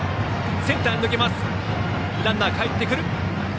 ランナーかえってくる。